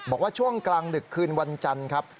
บอกว่าช่วงกลางดึกคืนวันจันทร์ครับ